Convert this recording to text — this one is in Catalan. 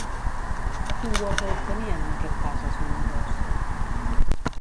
Quin guardó obtenien, en aquest cas, els guanyadors?